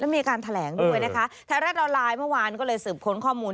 มีการแถลงด้วยนะคะไทยรัฐออนไลน์เมื่อวานก็เลยสืบค้นข้อมูล